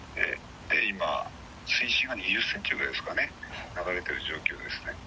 今、水深が２０センチぐらいですかね、流れてる状況ですね。